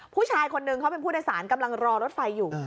ผู้ชายคนนึงเขาเป็นผู้โดยสารกำลังรอรถไฟอยู่